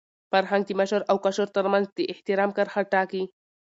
فرهنګ د مشر او کشر تر منځ د احترام کرښه ټاکي.